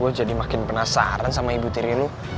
gue jadi makin penasaran sama ibu tiri lo